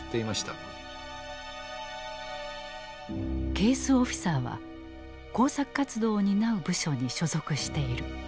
ケース・オフィサーは工作活動を担う部署に所属している。